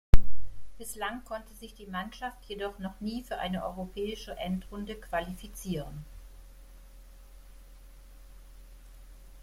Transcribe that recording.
Bislang konnte sich die Mannschaft jedoch noch nie für eine europäische Endrunde qualifizieren.